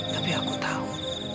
tapi aku tau